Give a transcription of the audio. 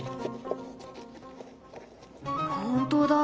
本当だ。